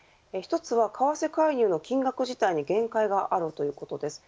１つは為替介入の金額自体に限界があるということです。